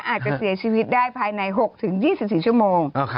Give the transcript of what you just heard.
อาจจะเสียชีวิตได้ภายใน๖๒๔ชั่วโมง